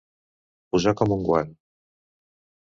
Posar com un guant.